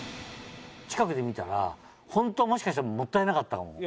近くで見たら本当もしかしたらもったいなかったかも。